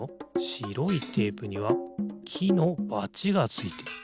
しろいテープにはきのバチがついてる。